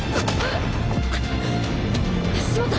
しまった！